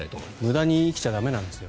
無駄に生きちゃ駄目なんですよ。